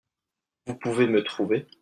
Vous pouvez me trouver.